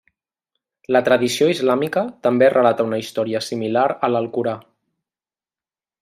La tradició islàmica també relata una història similar a l'Alcorà.